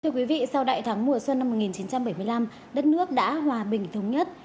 thưa quý vị sau đại thắng mùa xuân năm một nghìn chín trăm bảy mươi năm đất nước đã hòa bình thống nhất